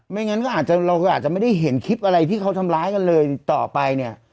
งั้นก็อาจจะเราก็อาจจะไม่ได้เห็นคลิปอะไรที่เขาทำร้ายกันเลยต่อไปเนี่ย